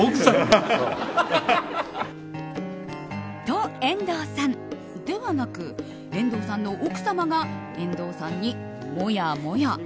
と、遠藤さんではなく遠藤さんの奥様が遠藤さんに、もやもや。